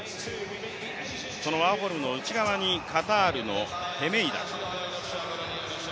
そのワーホルムの内側にカタールのヘメイダ。